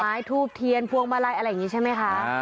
ทูบเทียนพวงมาลัยอะไรอย่างนี้ใช่ไหมคะ